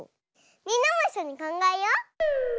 みんなもいっしょにかんがえよう！